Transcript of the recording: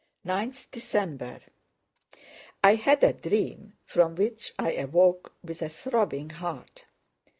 9th December I had a dream from which I awoke with a throbbing heart.